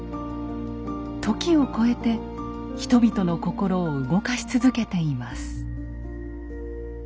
時を超えて人々の心を動かし続けています。